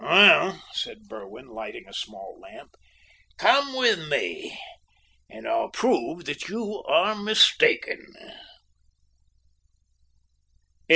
"Well," said Berwin, lighting a small lamp, "come with me and I'll prove that you are mistaken."